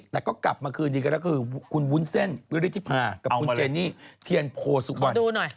แต่ก็กลับมาคืนดีกันแล้วก็คือคุณวุ้นเส้นวิริธิภากับคุณเจนี่เทียนโพสุวรรณดูหน่อย